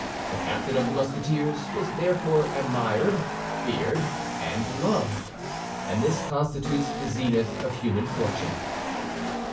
The captain of the Musketeers was therefore admired, feared, and loved; and this constitutes the zenith of human fortune.